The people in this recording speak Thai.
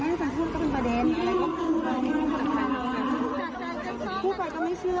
บางจังหวะก็มีเพื่อนที่ช่วยตอบคำถามนะฮะ